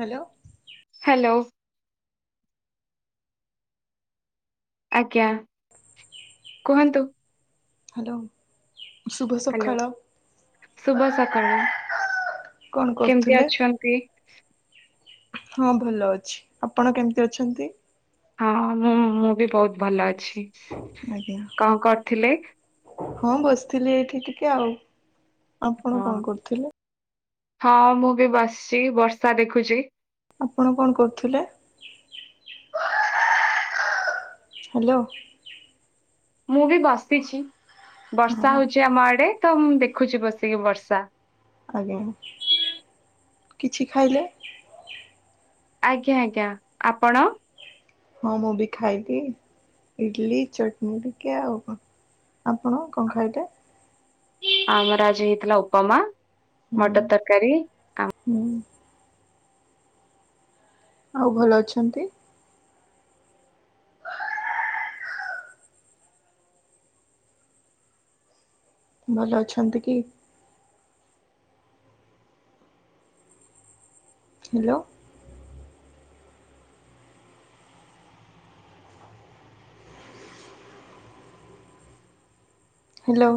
Hello. Hello. ଆଜ୍ଞା କୁହନ୍ତୁ? Hello. Hello ଶୁଭ ସକାଳ। କଣ କେମିତି କରୁଥିଲେ? ଅଛନ୍ତି? ହଁ ଭଲ ଅଛି, ଆପଣ କେମିତି ଅଛନ୍ତି? ହଁ ମୁଁ-ମୁଁ ବି ବହୁତ୍ ଭଲ ଅଛି। ଆଜ୍ଞା କଣ କରୁଥିଲେ? ହଁ ବସିଥିଲି ଏଇଠି ଟିକେ ଆଉ। ଆପଣ ହଁ। କଣ କରୁଥିଲେ? ହଁ ମୁଁ ବି ବସିଛି ବର୍ଷା ଦେଖୁଚି। ଆପଣ କଣ କରୁଥିଲେ? ହାଲୋ। ମୁଁ ବି ବସିଛି ବର୍ଷା ହଁ ହଉଛି ଆମ ଆଡେ ତ ମୁଁ ଦେଖୁଛି ବସିକି ବର୍ଷା। ଆଜ୍ଞା କିଛି ଖାଇଲେ? ଆଜ୍ଞା ଆଜ୍ଞା ଆପଣ? ହଁ ମୁଁ ବି ଖାଇଲିି ଇଡଲି ଚଟନୀ ଟିକେ ଆଉ କଣ? ଆପଣ କଣ ଖାଇଟେ? ଆମର ଆଜି ହେଇଥିଲା ଉପମା ହୁଁ ମଟର ତରକାରୀ। ହୁଁ। ଆଉ ଭଲ ଅଛନ୍ତି। ଭଲ ଅଛନ୍ତି କି? ହ୍ୟାଲୋ। ହ୍ୟାଲୋ।